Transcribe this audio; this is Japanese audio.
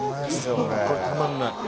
これこれたまんない